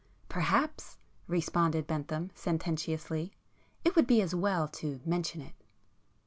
"Perhaps," responded Bentham sententiously—"it would be as well to mention it."